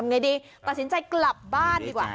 นี่คือเทคนิคการขาย